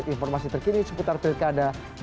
informasi terkini seputar pilih kadekali